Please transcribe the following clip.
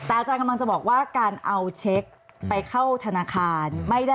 แต่อาจารย์กำลังจะบอกว่าการเอาเช็คไปเข้าธนาคาร